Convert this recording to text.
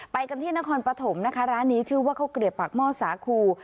ไปกันที่นครปฐมนะคะร้านนี้ชื่อว่าข้าวเกลียบปากหม้อสาคู